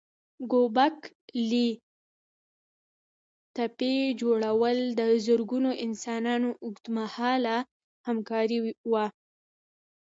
ګوبک لي تپې جوړول د زرګونو انسانانو اوږد مهاله همکاري وه.